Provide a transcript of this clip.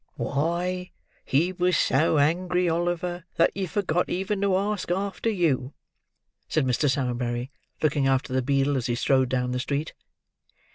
"Why, he was so angry, Oliver, that he forgot even to ask after you!" said Mr. Sowerberry, looking after the beadle as he strode down the street.